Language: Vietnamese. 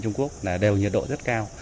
trung quốc là đều nhiệt độ rất cao